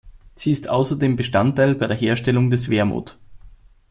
Sie ist außerdem Bestandteil bei der Herstellung des Wermut.